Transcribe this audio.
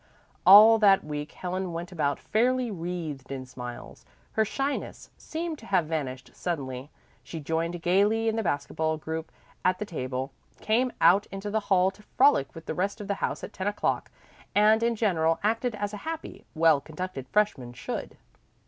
All that week Helen went about fairly wreathed in smiles. Her shyness seemed to have vanished suddenly. She joined gaily in the basket ball gossip at the table, came out into the hall to frolic with the rest of the house at ten o'clock, and in general acted as a happy, well conducted freshman should.